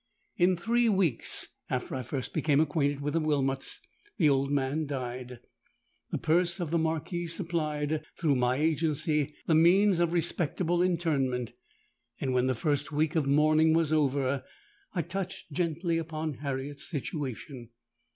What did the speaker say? "In three weeks after I first became acquainted with the Wilmots, the old man died. The purse of the Marquis supplied, through my agency, the means of respectable interment; and when the first week of mourning was over, I touched gently upon Harriet's situation.